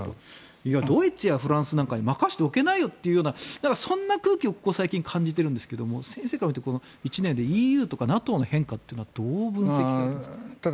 ドイツやフランスなんかに任せておけないよというそんな空気をここ最近感じているんですけれど先生から見て、１年でＥＵとかＮＡＴＯの変化はどう分析されていますか？